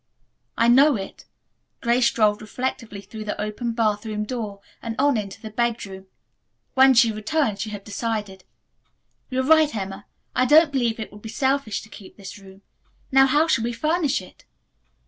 "I know it." Grace strolled reflectively through the open bathroom door and on into the bedroom. When she returned, she had decided. "You are right, Emma. I don't believe it would be selfish to keep this room. Now how shall we furnish it?"